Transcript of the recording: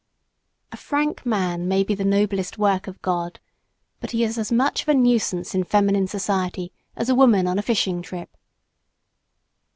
A frank man may be the noblest work of God, but he is as much of a nuisance in feminine society as a woman on a fishing trip.